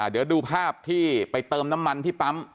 เดี๋ยวดูภาพที่ไปเติมน้ำมันที่ปั๊ม